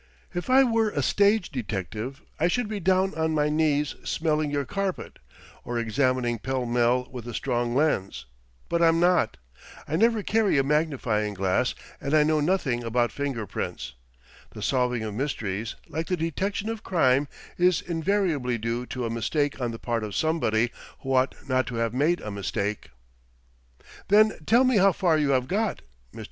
"If I were a stage detective, I should be down on my knees smelling your carpet, or examining Pall Mall with a strong lens; but I'm not. I never carry a magnifying glass and I know nothing about finger prints. The solving of mysteries, like the detection of crime, is invariably due to a mistake on the part of somebody who ought not to have made a mistake." "Then tell me how far you have got." Mr.